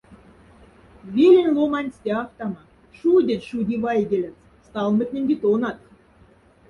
Велень ломанць тяфтама, — шудезь шуди вайгялец, — сталмотненди тонатф.